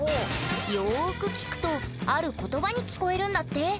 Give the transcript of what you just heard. よく聞くとある言葉に聞こえるんだって。